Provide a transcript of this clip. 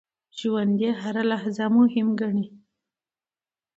ژوندي هره لحظه مهمه ګڼي